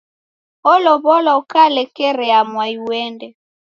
Olow'oa ukalekerea mwai uende.